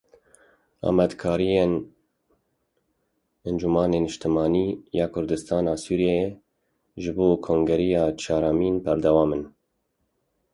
Amadekariyên Encumena Niştimanî ya Kurdistana Sûriyeyê ji bo kongreya çaremîn berdewam in.